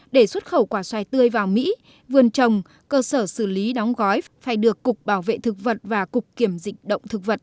để xuất khẩu quả xoài tươi vào mỹ vườn trồng cơ sở xử lý đóng gói phải được cục bảo vệ thực vật và cục kiểm dịch động thực vật